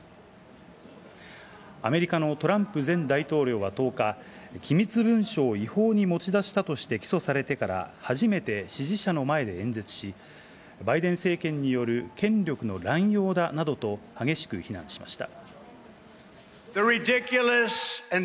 アメリカのトランプ前大統領は１０日、機密文書を違法に持ち出したとして起訴されてから初めて支持者の前で演説し、バイデン政権による権力の乱用だなどと激しく非難しました。